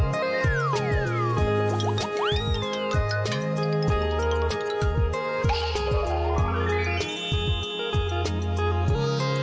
ว้าว